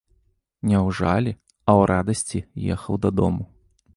Не ў жалі, а ў радасці ехаў дадому.